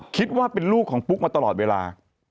คิดว่าเป็นลูกของปุ๊กมาตลอดเวลา